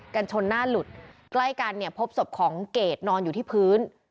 ชนหน้าหลุดใกล้กันเนี่ยพบศพของเกรดนอนอยู่ที่พื้น